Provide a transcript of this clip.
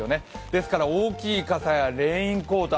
ですから大きい傘やレインコート